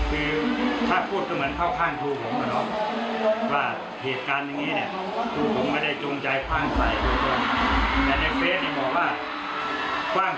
คือถ้าพูดก็เหมือนเข้าข้างทูหงค่ะ